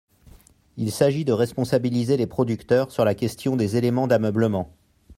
Il s’agit de responsabiliser les producteurs sur la question des éléments d’ameublement.